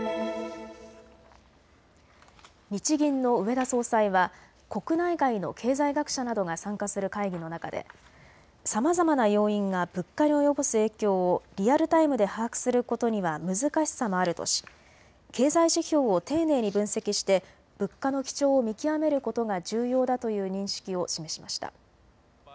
日銀の植田総裁は国内外の経済学者などが参加する会議の中でさまざまな要因が物価に及ぼす影響をリアルタイムで把握することには難しさもあるとし経済指標を丁寧に分析して物価の基調を見極めることが重要だという認識を示しました。